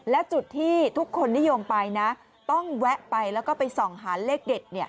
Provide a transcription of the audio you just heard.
และจุดที่ทุกคนนิยมไปนะต้องแวะไปแล้วก็ไปส่องหาเลขเด็ด